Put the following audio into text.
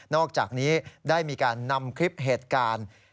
อกจากนี้ได้มีการนำคลิปเหตุการณ์